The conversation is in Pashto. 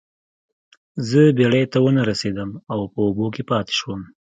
زه بیړۍ ته ونه رسیدم او په اوبو کې پاتې شوم.